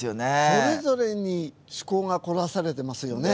それぞれに趣向が凝らされてますよね。